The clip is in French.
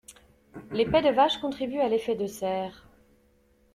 Les pets de vaches contribuent à l'effet de serre.